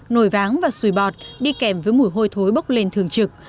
nồi váng và xùi bọt đi kèm với mùi hôi thối bốc lên thường trực